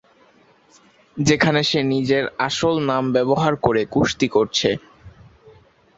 যেখানে সে নিজের আসল নাম ব্যবহার করে কুস্তি করছে।